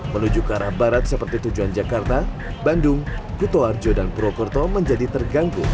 menuju ke arah barat seperti tujuan jakarta bandung kutoarjo dan purwokerto menjadi terganggu